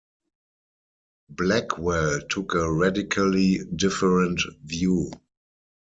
Blackwell took a radically different view.